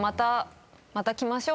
また来ましょうね。